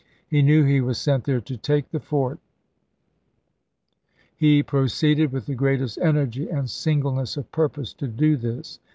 He knew he was sent there to take the fort. He proceeded with the greatest energy and singleness of purpose to do this.